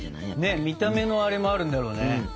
ねっ見た目のあれもあるんだろうね。